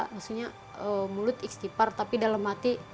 maksudnya mulut istipar tapi dalam hati